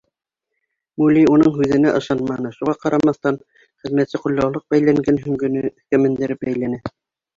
Мулей уның һүҙенә ышанманы, шуға ҡарамаҫтан, хеҙмәтсе ҡулъяулыҡ бәйләнгән һөңгөнө өҫкә мендереп бәйләне.